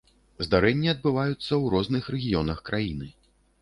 Здарэнні адбываюцца ў розных рэгіёнах краіны.